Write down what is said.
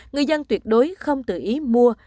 người dân tuyệt đối không tự ý mua